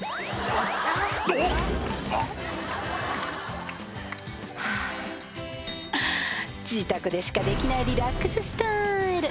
おっあっ自宅でしかできないリラックススタイル